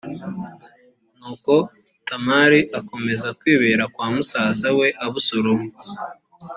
nuko tamari akomeza kwibera kwa musaza we abusalomu